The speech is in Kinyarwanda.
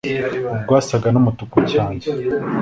rwasaga n'umutuku cyane.